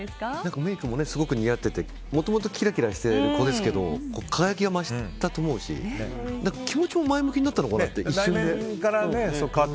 メイクもすごく似合っててもともとキラキラしている子ですけど輝きが増したと思うし気持ちも前向きになったのかなって。